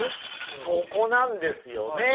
そこなんですよね。